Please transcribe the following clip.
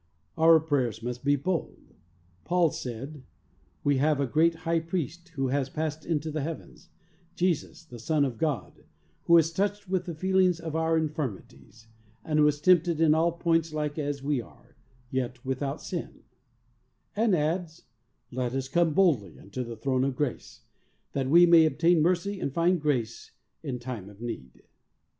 Our prayers must be bold. Paul said: "We have a great High Priest who has passed into the heavens, Jesus, the Son of God^ who is touched with the feelings of our infirmities^ and was tempted in all points like as we are, yet without sin," and adds: "Let us come boldly unto the throne of grace, that we may obtain mercy and find grace in time of need."